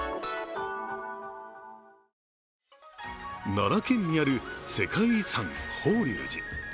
奈良県にある世界遺産・法隆寺。